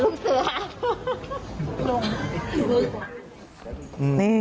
อ๋อลุงเศรือ